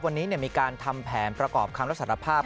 วันนี้มีการทำแผนประกอบคำรับสารภาพ